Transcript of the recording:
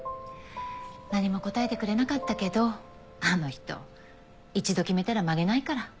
何も答えてくれなかったけどあの人一度決めたら曲げないから。